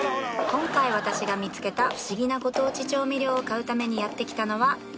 今回私が見つけたフシギなご当地調味料を買うためにやって来たのは